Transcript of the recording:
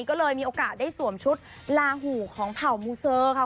ก็เลยมีโอกาสได้สวมชุดลาหูของเผ่ามูเซอร์ค่ะ